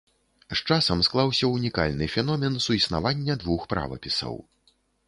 З часам склаўся ўнікальны феномен суіснавання двух правапісаў.